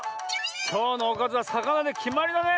きょうのおかずはさかなできまりだね。